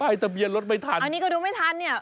ทะเบียนรถไม่ทันอันนี้ก็ดูไม่ทันเนี่ย